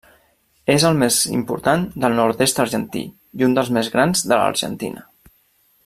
És el més important del Nord-est argentí, i un dels més grans de l'Argentina.